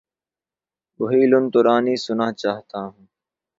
وہی لن ترانی سنا چاہتا ہوں